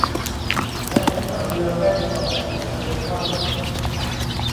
และเมื่อเรือแล่นออกสู่ทะเลกว้าง